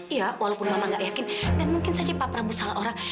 iya walaupun mama gak yakin dan mungkin saja pak prabowo salah orang